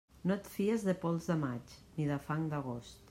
No et fies de pols de maig ni de fang d'agost.